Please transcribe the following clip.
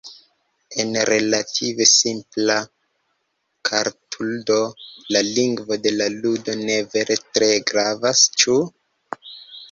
En relative simpla kartludo la lingvo de la ludo ne vere tre gravas, ĉu?